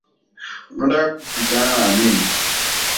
Unataka kupigana na mimi?